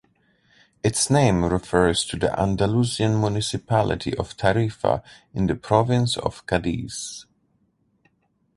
Its name refers to the Andalusian municipality of Tarifa, in the province of Cadiz.